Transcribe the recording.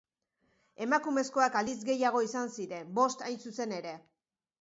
Emakumezkoak aldiz gehiago izan ziren, bost hain zuzen ere.